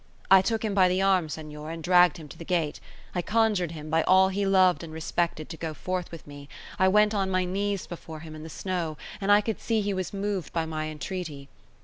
I took him by the arm, Senor, and dragged him to the gate; I conjured him, by all he loved and respected, to go forth with me; I went on my knees before him in the snow; and I could see he was moved by my entreaty.